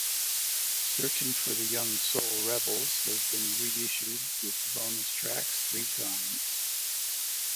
"Searching for the Young Soul Rebels" has been reissued with bonus tracks three times.